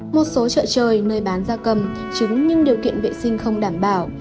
một số chợ trời nơi bán gia cầm trứng nhưng điều kiện vệ sinh không đảm bảo